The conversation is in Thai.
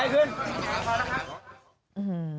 ขึ้นต่อไปคนเกี่ยวกันต่อไป